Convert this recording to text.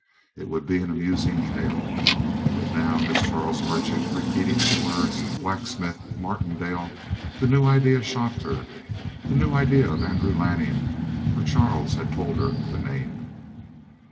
It would be an amusing tale. But now, as Charles Merchant repeated the words, "blacksmith" "Martindale," the new idea shocked her, the new idea of Andrew Lanning, for Charles had told her the name.